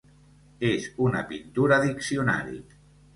És una pintura diccionari.